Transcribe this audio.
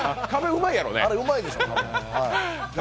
あれ、うまいでしょ、多分。